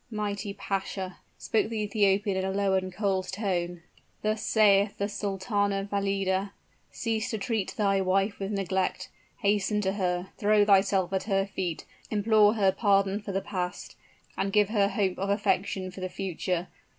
"Mighty pasha!" spoke the Ethiopian in a low and cold tone; "thus saith the Sultana Valida: 'Cease to treat thy wife with neglect. Hasten to her throw thyself at her feet implore her pardon for the past and give her hope of affection for the future.